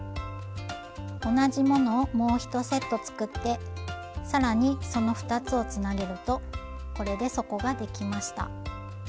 同じものをもう１セット作って更にその２つをつなげるとこれで底ができました。